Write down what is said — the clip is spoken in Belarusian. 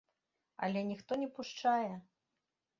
Але ніхто не пушчае.